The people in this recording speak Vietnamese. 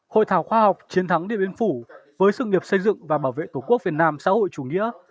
hội thảo khoa học chiến thắng điện biên phủ với sự nghiệp xây dựng và bảo vệ tổ quốc việt nam xã hội chủ nghĩa